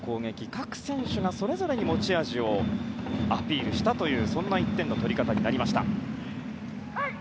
各選手がそれぞれに持ち味をアピールしたというそんな１点の取り方になりました。